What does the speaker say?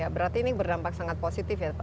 berarti ini berdampak sangat positif